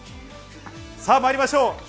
さぁ、まいりましょう！